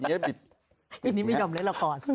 หยิกแล้วปิดอย่างเงี้ยปิด